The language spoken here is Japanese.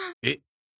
えっ？